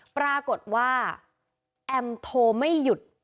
ปรากฏว่าแอมโทรไม่หยุด